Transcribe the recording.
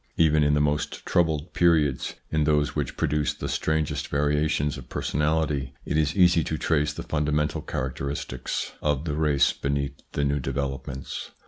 Even in the most troubled periods, in those which produce the strangest variations of personality, it is easy to trace the fundamental characteristics of the race beneath the new developments.